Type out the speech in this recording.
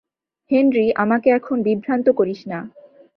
Henry, আমাকে এখন বিভ্রান্ত করিস না।